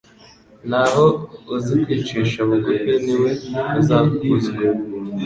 naho uzi kwicisha bugufi ni we uzakuzwa